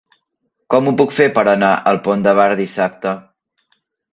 Com ho puc fer per anar al Pont de Bar dissabte?